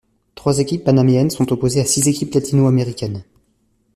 Trois équipes panaméennes sont opposées à six équipes latino-américaines.